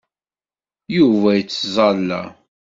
Yuba yettẓalla.